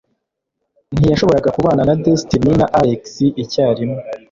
Ntiyashoboraga kubana na Destiny na Alex icyarimwe.